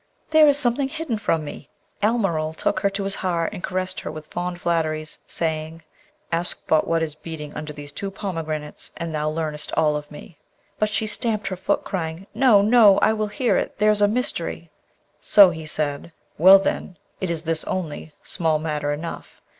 There is something hidden from me!' Almeryl took her to his heart, and caressed her with fond flatteries, saying, 'Ask but what is beating under these two pomegranates, and thou learnest all of me.' But she stamped her foot, crying, 'No! no! I will hear it! There's a mystery.' So he said, 'Well, then, it is this only; small matter enough.